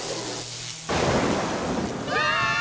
うわ！